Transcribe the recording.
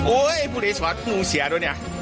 โอ๊ยพูดให้ชวนลูกเสียด้วยเนี่ย